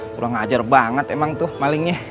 kurang ajar banget emang tuh malingnya